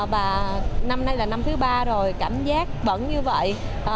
và năm nay là năm thứ ba rồi cảm giác vẫn như vậy